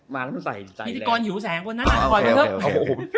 ผู้มีพิติกรอยู่แสงคีย์